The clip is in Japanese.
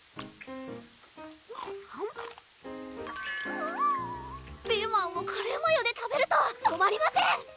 うんピーマンをカレーマヨで食べると止まりません！